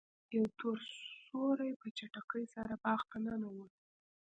یو تور سیوری په چټکۍ سره باغ ته ننوت.